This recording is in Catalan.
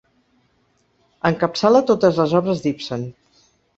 Encapçala totes les obres d'Ibsen.